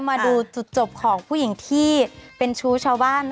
มาดูจุดจบของผู้หญิงที่เป็นชู้ชาวบ้าน